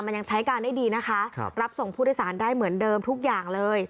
มันยังใช้การได้ดีนะคะครับรับส่งผู้โดยสารได้เหมือนเดิมทุกอย่างเลย